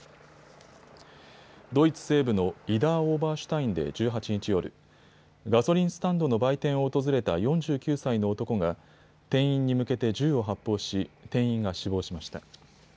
ドイツ西部のイダー・オーバーシュタインで１８日夜、ガソリンスタンドの売店を訪れた４９歳の男が店員に向けて銃を発砲し店員が死亡しました。